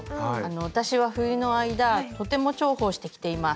私は冬の間とても重宝して着ています。